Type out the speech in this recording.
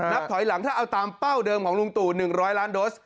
ถอยหลังถ้าเอาตามเป้าเดิมของลุงตู่๑๐๐ล้านโดส